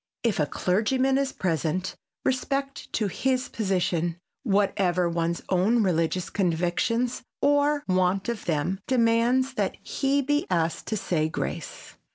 If a clergyman is present, respect to his position, whatever one's own religious convictions or want of them, demands that he be asked to say grace.